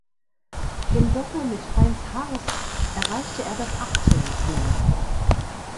Im Doppel mit Heinz Harst erreichte er das Achtelfinale.